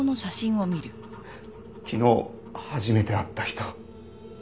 昨日初めて会った人。